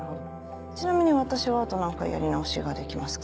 ちなみに私はあと何回やり直しができますか？